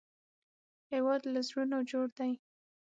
هېواد له زړونو جوړ دی